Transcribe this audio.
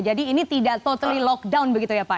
jadi ini tidak totally lockdown begitu ya pak